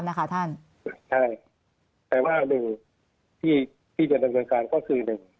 ใช่สิ่งที่จะจะเป็นการก็คือ